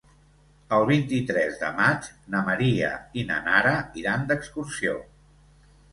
El vint-i-tres de maig na Maria i na Nara iran d'excursió.